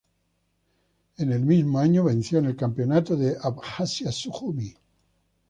En el mismo año, venció en el Campeonato de Abjasia-Sujumi.